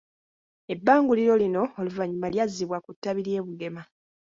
Ebbanguliro lino oluvannyuma lyazzibwa ku ttabi ly'e Bugema